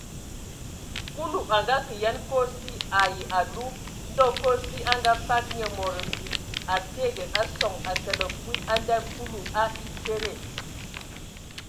Kulu a ngakǝ yen kosi ai alu, ndɔ kosi a ngafag nye mod mbil a tiege a sɔŋ a kələg kwi a ndɛ Kulu a etede.